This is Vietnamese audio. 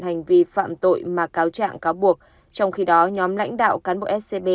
hành vi phạm tội mà cáo trạng cáo buộc trong khi đó nhóm lãnh đạo cán bộ scb